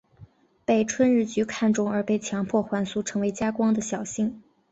被春日局看中而被强迫还俗成为家光的小姓。